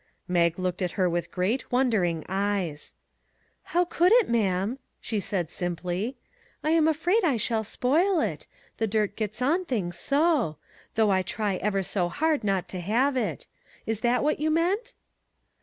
Mag looked at her with great, wondering eyes. " How could it, ma'am ?" she asked simply. " I am afraid I shall spoil it; the dirt gets on things so! though I try ever so hard not to have it. Is that what you meant